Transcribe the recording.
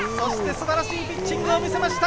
素晴らしいピッチングを見せました！